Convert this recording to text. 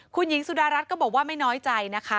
คุณหญิงสุดารัฐก็บอกว่าไม่น้อยใจนะคะ